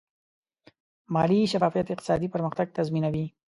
مالي شفافیت اقتصادي پرمختګ تضمینوي.